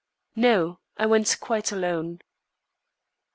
"No, I went quite alone."